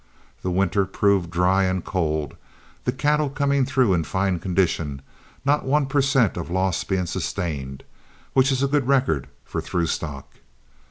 The winter proved dry and cold, the cattle coming through in fine condition, not one per cent of loss being sustained, which is a good record for through stock.